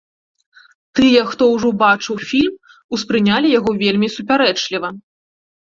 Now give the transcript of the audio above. Тыя, хто ўжо бачыў фільм, успрынялі яго вельмі супярэчліва.